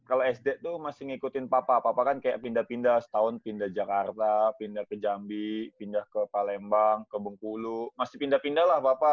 kalau sd itu masih ngikutin papa kan kayak pindah pindah setahun pindah jakarta pindah ke jambi pindah ke palembang ke bengkulu masih pindah pindah lah papa